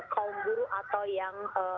kaum buru atau yang